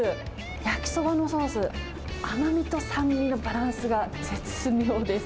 焼きそばのソース、甘みと酸味のバランスが絶妙です。